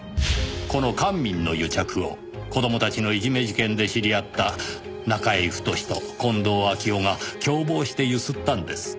この官民の癒着を子供たちのいじめ事件で知り合った中居太と近藤秋夫が共謀して強請ったんです。